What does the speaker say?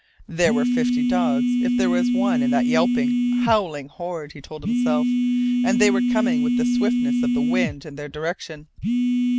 There were fifty dogs if there was one in that yelping, howling horde, he told himself, and they were coming with the swiftness of the wind in their direction.